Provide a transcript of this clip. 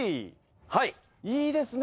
いいですね